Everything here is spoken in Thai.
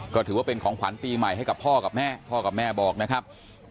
ก็ถือว่าเป็นของขวัญปีใหม่ให้กับพ่อกับแม่พ่อกับแม่บอกนะครับ